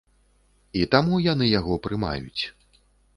І таму яны яго прымаюць.